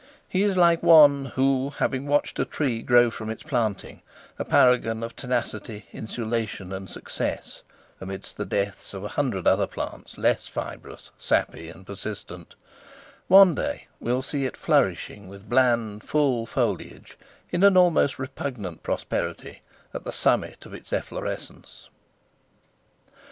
He is like one who, having watched a tree grow from its planting—a paragon of tenacity, insulation, and success, amidst the deaths of a hundred other plants less fibrous, sappy, and persistent—one day will see it flourishing with bland, full foliage, in an almost repugnant prosperity, at the summit of its efflorescence.